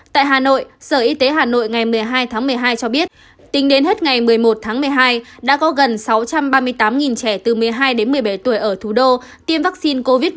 tại hà nội sở y tế hà nội ngày một mươi hai tháng một mươi hai cho biết tính đến hết ngày một mươi một tháng một mươi hai đã có gần sáu trăm ba mươi tám trẻ từ một mươi hai đến một mươi bảy tuổi ở thủ đô tiêm vaccine covid một mươi chín